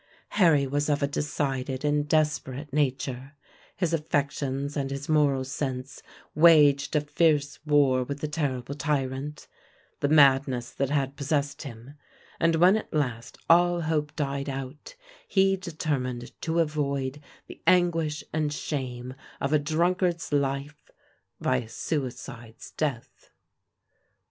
Harry was of a decided and desperate nature; his affections and his moral sense waged a fierce war with the terrible tyrant the madness that had possessed him; and when at last all hope died out, he determined to avoid the anguish and shame of a drunkard's life by a suicide's death.